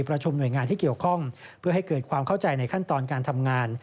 หน่วยงานที่เกี่ยวข้องเพื่อให้เกิดความเข้าใจในขั้นตอนการทำงาน